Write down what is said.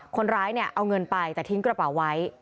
คนร้ายเนี่ยเอาเงินไปแต่ทิ้งกระเป๋าไว้